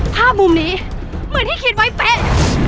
ภาพมุมนี้เหมือนที่คิดไว้เป๊ะ